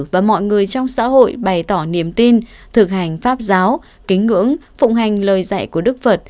và mọi người trong xã hội bày tỏ niềm tin thực hành pháp giáo kính ngưỡng phụng hành lời dạy của đức phật